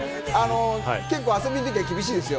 結構、遊びの時は厳しいですよ。